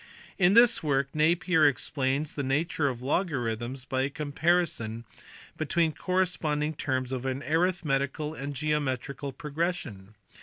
In this work Napier explains the nature of logarithms by a comparison between corresponding terms of an arithmetical and geometrical progression.